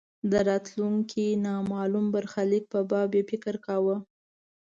د راتلونکې نامالوم برخلیک په باب یې فکر کاوه.